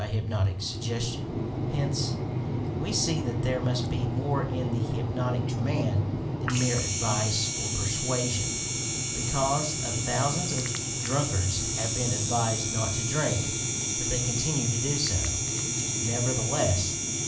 THE POVTER OP HYPNOTIC SUGGESTION Hence we see that there must be more in the hypnotic command than mere advice or persuasion, becauf^o thou sands of drunkards have been advised not to drink, but they continue to do so, nevertheless!